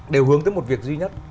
đều hướng tới một việc duy nhất